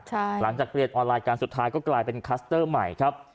หลังจากเรียนออนไลน์กันสุดท้ายก็กลายเป็นคลัสเตอร์ใหม่ครับ